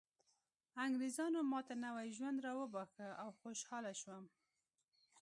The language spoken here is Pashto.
انګریزانو ماته نوی ژوند راوباښه او خوشحاله شوم